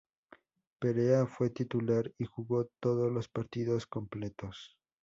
Perea fue titular y jugó todos los partidos completos.